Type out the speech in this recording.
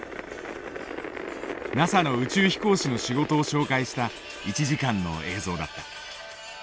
ＮＡＳＡの宇宙飛行士の仕事を紹介した１時間の映像だった。